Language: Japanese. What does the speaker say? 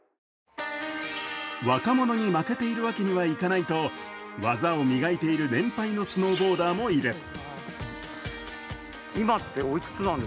若者に負けているわけにはいかないと、技を磨いている年配のスノーボーダーもいる。